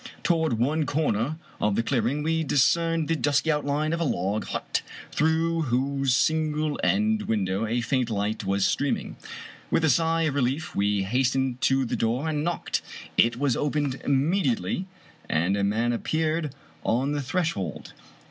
Toward one comer of the clear ing we discerned the dusky outline of a log hut, through whose single end window a faint light was streaming. With a sigh of relief we hastened to the door and knocked. It was opened immediately, and a man appeared on the SO Fitzjames O'Brien threshold.